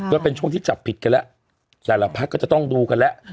ก็เป็นช่วงที่จับผิดกันแล้วแต่ละพักก็จะต้องดูกันแล้ว